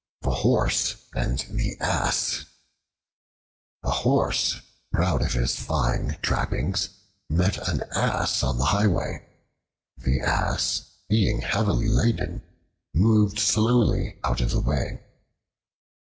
The Horse and the Ass A HORSE, proud of his fine trappings, met an Ass on the highway. The Ass, being heavily laden, moved slowly out of the way.